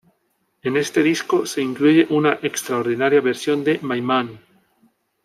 En este disco se incluye una extraordinaria versión de "My Man!".